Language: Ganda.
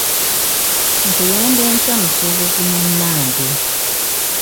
Nkuyambe ntya musuubuzi munnange?